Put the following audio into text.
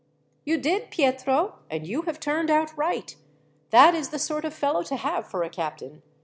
"You did, Pietro, and you have turned out right. That is the sort of fellow to have for a captain.